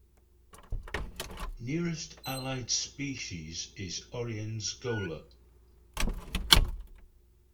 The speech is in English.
"Nearest allied species is "Oriens gola".